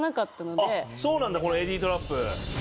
そうなんだこのエディートラップ。